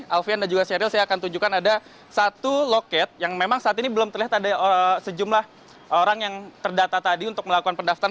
alfian dan juga sheryl saya akan tunjukkan ada satu loket yang memang saat ini belum terlihat ada sejumlah orang yang terdata tadi untuk melakukan pendaftaran